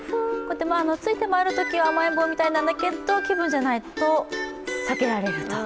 ついて回るときは甘えん坊みたいなんだけど、気分じゃないと避けられると。